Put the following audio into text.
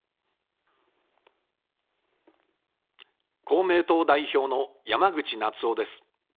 公明党代表の山口那津男です。